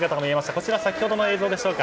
こちら先ほどの映像でしょうか。